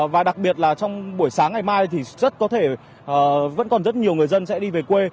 và đặc biệt là trong buổi sáng ngày mai thì rất có thể vẫn còn rất nhiều người dân sẽ đi về quê